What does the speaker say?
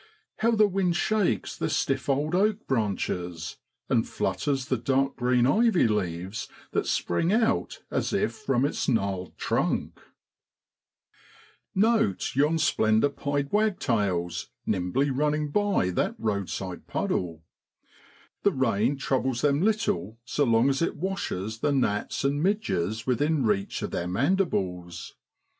How the wind shakes the stiff old oak branches, and flutters the dark green ivy leaves that spring out as if from its gnarled trunk! 80 AUGUST IN BROADLAND. Note yon slender pied wagtails nimbly running by that roadside puddle ! The rain troubles them little so long as it washes the gnats and midges within reach of their mandibles.